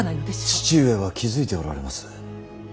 父上は気付いておられます。